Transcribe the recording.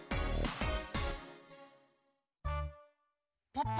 ポッポ。